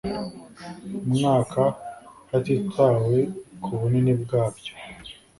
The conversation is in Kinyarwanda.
mwaka hatitawe ku bunini bwabyo